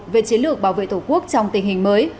về chiến lược bảo vệ tổ quốc trong tình hình mới